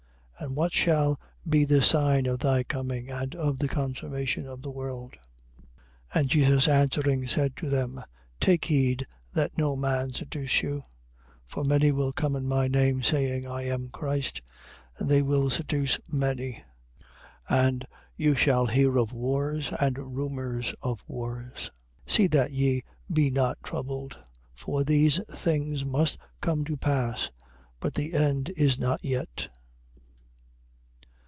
And what shall be the sign of thy coming and of the consummation of the world? 24:4. And Jesus answering, said to them: Take heed that no man seduce you. 24:5. For many will come in my name saying, I am Christ. And they will seduce many. 24:6. And you shall hear of wars and rumours of wars. See that ye be not troubled. For these things must come to pass: but the end is not yet.